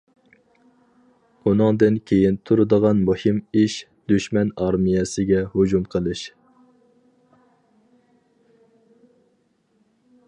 ئۇنىڭدىن كېيىن تۇرىدىغان مۇھىم ئىش دۈشمەن ئارمىيەسىگە ھۇجۇم قىلىش.